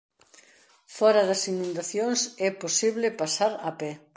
Fóra das inundacións é posible pasar a pé.